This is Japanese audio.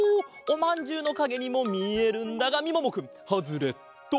おまんじゅうのかげにもみえるんだがみももくんハズレット！